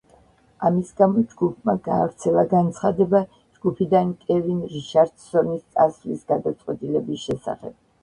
ამის გამო, ჯგუფმა გაავრცელა განცხადება ჯგუფიდან კევინ რიჩარდსონის წასვლის გადაწყვეტილების შესახებ.